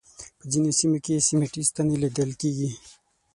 په ځینو سیمو کې سیمټي ستنې لیدل کېږي.